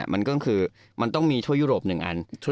มันก็คือมันต้องมีทั่วยุโรป๑อัน